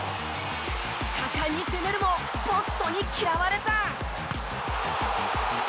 果敢に攻めるもポストに嫌われた。